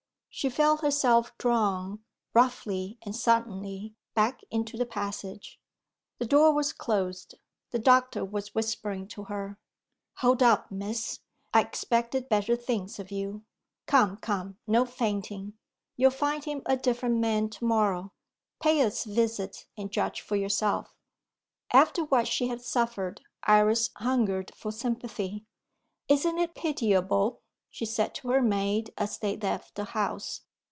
She felt herself drawn, roughly and suddenly, back into the passage. The door was closed; the doctor was whispering to her. "Hold up, Miss! I expected better things of you. Come! come! no fainting. You'll find him a different man to morrow. Pay us a visit, and judge for yourself." After what she had suffered, Iris hungered for sympathy. "Isn't it pitiable?" she said to her maid as they left the house.